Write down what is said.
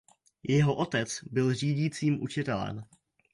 Jeho otec byl řídícím učitelem.